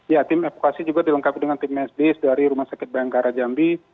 ya tim evakuasi juga dilengkapi dengan tim medis dari rumah sakit bayangkara jambi